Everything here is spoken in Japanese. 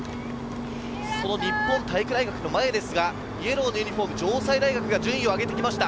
その日本体育大学の前ですが、イエローのユニホーム、城西大学が順位を上げてきました。